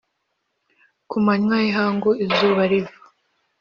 ku manywa y'ihangu izuba riva